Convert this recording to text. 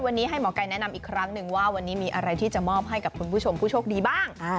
วันนี้ให้หมอไก่แนะนำอีกครั้งหนึ่งว่าวันนี้มีอะไรที่จะมอบให้กับคุณผู้ชมผู้โชคดีบ้าง